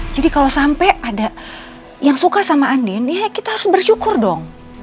jadi kalau sampai ada yang suka sama andin ya kita harus bersyukur dong